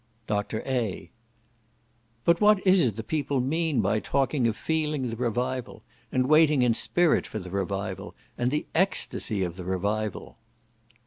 Dr. A. "But what is it the people mean by talking of feeling the revival? and waiting in spirit for the revival? and the extacy of the revival?"